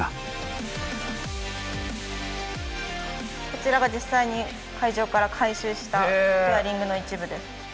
こちらが実際に海上から回収したフェアリングの一部です。